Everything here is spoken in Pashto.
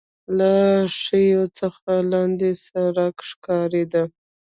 له ښيښو څخه يې لاندې سړک ښکارېده.